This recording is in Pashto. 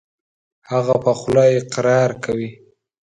هغه په خوله اقرار کوي .